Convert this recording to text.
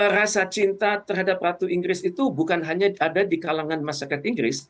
rasa cinta terhadap ratu inggris itu bukan hanya ada di kalangan masyarakat inggris